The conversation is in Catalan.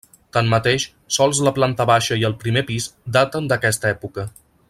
Tanmateix, sols la planta baixa i el primer pis daten d'aquesta època.